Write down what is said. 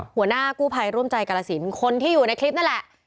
หัวหน้ากู้ภัยร่วมใจกาลสินคนที่อยู่ในคลิปนั่นแหละ